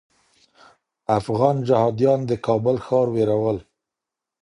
افغان جهاديان د کابل ښار ویرول.